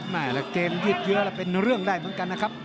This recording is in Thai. ละเกมยืดเยอะแล้วเป็นเรื่องได้เหมือนกันนะครับ